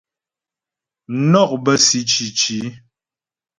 Mnɔk bə́ si cǐci.